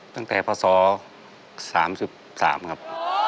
ตั้งแต่พศ๓๓ครับ